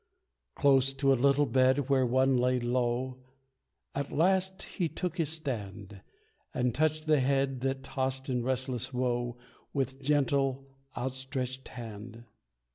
Close to a little bed where one lay low, At last he took his stand, And touched the head that tossed in restless woe With gentle, outstretched hand.